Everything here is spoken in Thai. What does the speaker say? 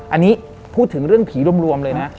อันนี้พูดถึงเรื่องผีรวมเลยนะ